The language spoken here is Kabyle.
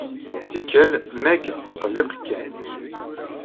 Tikkal, Meg tettqelliq Ken.